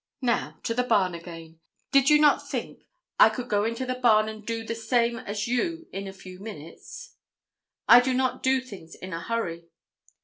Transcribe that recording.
"Now, to the barn again. Do you not think I could go into the barn and do the same as you in a few minutes?" "I do not do things in a hurry."